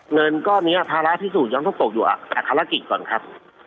เงินก้อนนี้ภาระพิสูจนยังต้องตกอยู่แต่ภารกิจก่อนครับ